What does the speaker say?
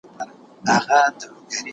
تعلیم به زیات سي.